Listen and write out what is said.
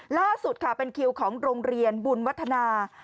ล่าสุดค่ะเป็นคิวของโรงเรียนบุญวัฒนา